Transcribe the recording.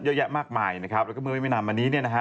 เยอะแยะมากมายนะครับและก็เมื่อไม่นานมานี้